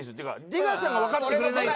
出川さんがわかってくれないと。